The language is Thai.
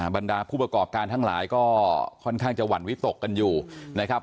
บรรดาผู้ประกอบการทั้งหลายก็ค่อนข้างจะหวั่นวิตกกันอยู่นะครับ